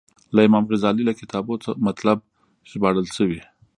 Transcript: له امام غزالي له کتابو مطالب ژباړل شوي.